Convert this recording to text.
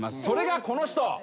それがこの人。